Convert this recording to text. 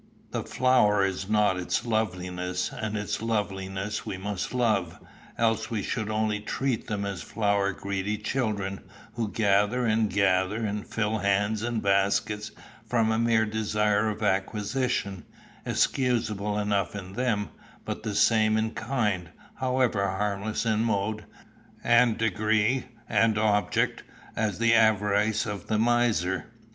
The flower is not its loveliness, and its loveliness we must love, else we shall only treat them as flower greedy children, who gather and gather, and fill hands and baskets, from a mere desire of acquisition, excusable enough in them, but the same in kind, however harmless in mode, and degree, and object, as the avarice of the miser.